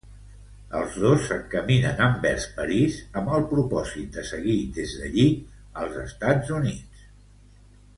Els dos s'encaminen envers París amb el propòsit de seguir des d'allí als Estats Units.